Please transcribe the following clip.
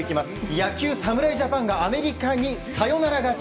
野球、侍ジャパンがアメリカにサヨナラ勝ち。